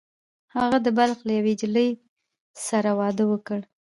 هغه د بلخ له یوې نجلۍ سره واده وکړ